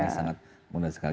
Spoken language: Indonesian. sangat mudah sekali